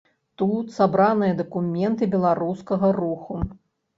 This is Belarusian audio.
Тут сабраныя дакументы беларускага руху.